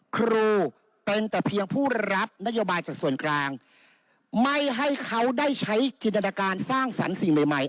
ครูเป็นแต่เพียงผู้รับนโยบายจากส่วนกลางไม่ให้เขาได้ใช้จินตนาการสร้างสรรค์สิ่งใหม่ใหม่